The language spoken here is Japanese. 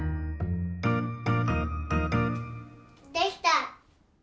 できた！